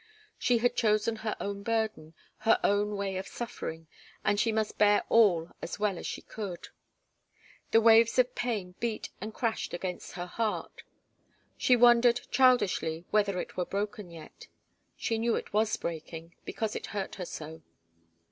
She had chosen her own burden, her own way of suffering, and she must bear all as well as she could. The waves of pain beat and crashed against her heart she wondered, childishly, whether it were broken yet. She knew it was breaking, because it hurt her so.